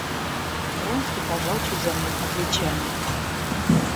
Вронский пожал чуть заметно плечами.